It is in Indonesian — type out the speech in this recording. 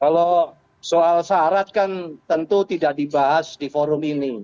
kalau soal syarat kan tentu tidak dibahas di forum ini